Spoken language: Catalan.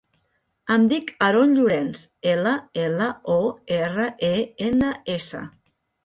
Em dic Aron Llorens: ela, ela, o, erra, e, ena, essa.